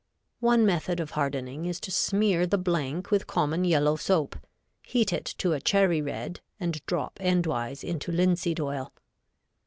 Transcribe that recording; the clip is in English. One method of hardening is to smear the blank with common yellow soap, heat it to a cherry red, and drop endwise into linseed oil.